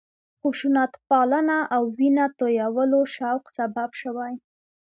خشونتپالنه او وینه تویولو شوق سبب شوی.